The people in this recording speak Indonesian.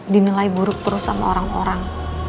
dinilai buruk terus sama orang orang